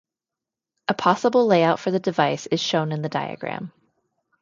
A possible layout for the device is shown in the diagram.